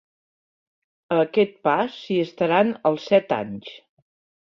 A aquest past s'hi estaran els set anys.